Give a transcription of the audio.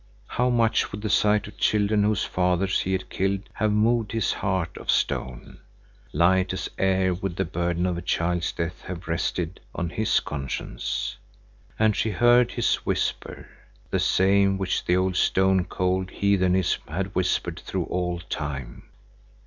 How much would the sight of children, whose fathers he had killed, have moved his heart of stone? Light as air would the burden of a child's death have rested on his conscience. And she heard his whisper, the same which the old stone cold heathenism had whispered through all time.